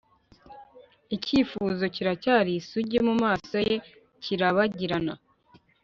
icyifuzo, kiracyari isugi, mumaso ye kirabagirana